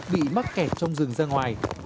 bị mắc kẹt trong rừng ra ngoài